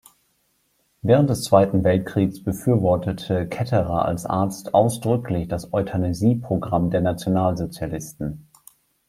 Während des Zweiten Weltkriegs befürwortete Ketterer als Arzt ausdrücklich das „Euthanasie“-Programm der Nationalsozialisten.